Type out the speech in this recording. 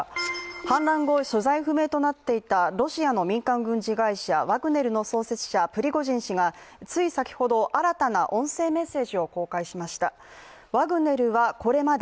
反乱後、所在不明となっていたロシアの民間軍事会社ワグネルの創設者、プリゴジン氏がつい先ほど、新たな音声メッセージを公開しました。